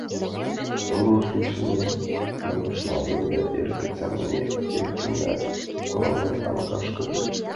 «Йоҥылыш лийшаш ала мо», — манын шоналта да, эркын савырнен, эркынак куралме аҥашкыже ошкылеш.